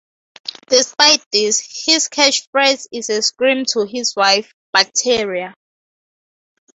Despite this, his catch phrase is a scream to his wife, Bacteria!